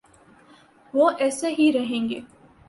وہ ایسے ہی رہیں گے۔